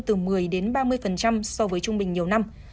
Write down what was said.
từ một mươi ba mươi so với trung bình nhiều năm